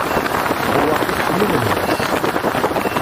Rrwaḥ-ik, yiwen n wass!